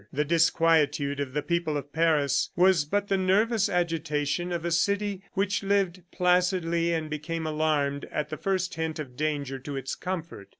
The disquietude of the people of Paris, was but the nervous agitation of a city which lived placidly and became alarmed at the first hint of danger to its comfort.